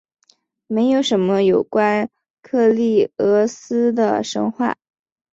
没有什么有关克利俄斯的神话。